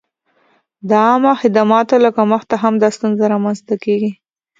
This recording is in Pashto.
د عامه خدماتو له کمښته هم دا ستونزه را منځته کېږي.